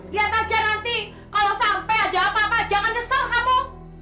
lihat aja nanti kalau sampai ada apa apa jangan nyesel kamu